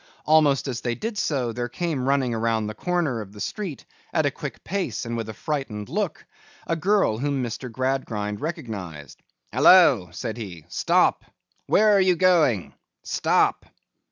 Almost as they did so, there came running round the corner of the street at a quick pace and with a frightened look, a girl whom Mr. Gradgrind recognized. 'Halloa!' said he. 'Stop! Where are you going! Stop!